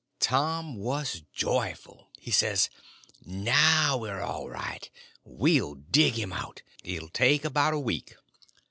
Tom was joyful. He says; "Now we're all right. We'll dig him out. It 'll take about a week!"